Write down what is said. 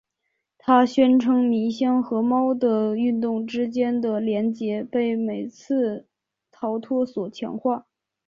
他宣称迷箱和猫的运动之间的联结被每次逃脱所强化。